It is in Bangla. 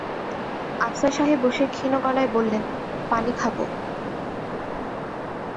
আফসার সাহেব বসে ক্ষীণ গলায় বললেন, পানি খাব।